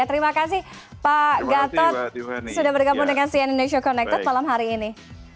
terima kasih pak gatot sudah bergabung dengan cn indonesia connected malam hari ini